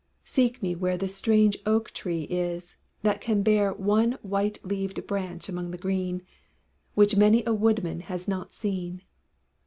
Seek me where The strange oak tree is, that can bear One white leaved branch among the green Which many a woodman has not seen.